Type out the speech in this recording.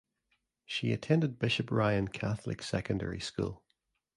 She attended Bishop Ryan Catholic Secondary School.